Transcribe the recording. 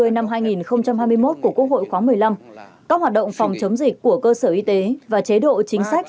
năm mươi năm hai nghìn hai mươi một của quốc hội khóa một mươi năm các hoạt động phòng chống dịch của cơ sở y tế và chế độ chính sách